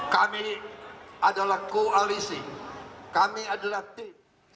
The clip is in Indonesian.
kami adalah koalisi kami adalah tim